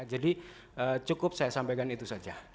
jadi cukup saya sampaikan itu saja